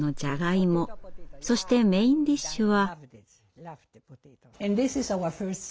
そしてメインディッシュは。